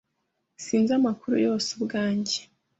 Sinzi amakuru yose ubwanjye.